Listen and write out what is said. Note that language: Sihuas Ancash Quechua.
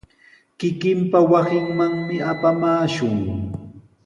Kikinpa wasinmanmi apamaashun.